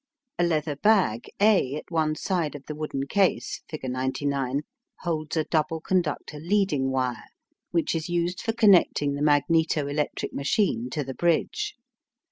A leather bag A at one side of the wooden case (figure 99) holds a double conductor leading wire, which is used for connecting the magneto electric machine to the bridge.